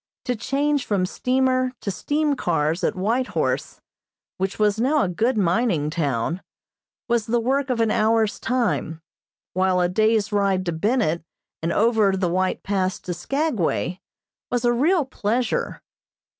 To change from steamer to steam cars at White Horse, which was now a good mining town, was the work of an hour's time, while a day's ride to Bennett and over the White Pass to Skagway was a real pleasure.